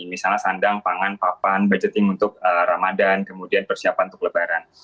misalnya sandang pangan papan budgeting untuk ramadan kemudian persiapan untuk lebaran